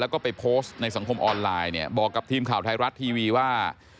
แล้วก็ไปโพสต์ในสังคมออนไลน์เนี่ยบอกกับทีมข่าวไทยรัฐทีวีว่า